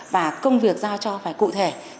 và công việc giao cho phải cụ thể